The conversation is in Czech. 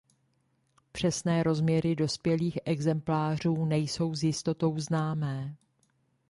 Přesné rozměry dospělých exemplářů nejsou s jistotou známé.